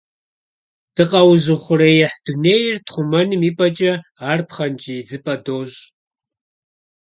Дыкъэузыухъуреихь дунейр тхъумэным и пӀэкӀэ, ар пхъэнкӀий идзыпӀэ дощӀ.